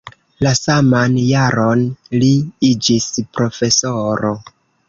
La saman jaron li iĝis profesoro.